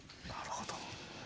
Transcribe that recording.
なるほど。